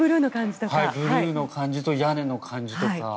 ブルーの感じと屋根の感じとか。